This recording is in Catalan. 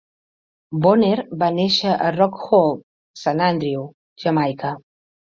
Bonner va néixer a Rock Hall, Saint Andrew, Jamaica.